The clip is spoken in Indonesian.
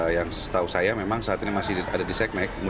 yang setahu saya memang saat ini masih ada di seknek